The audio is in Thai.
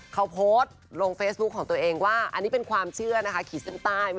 เขาโพสต์ลงเฟซบุ๊คของตัวเองว่าอันนี้เป็นความเชื่อนะคะขีดเส้นใต้